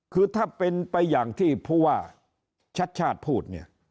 คือถ้าเป็นไปอย่างที่ผู้ว่าชัดชาติพูดเนี่ย